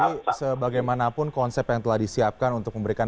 jadi sebagaimanapun konsep yang telah disiapkan untuk memberikan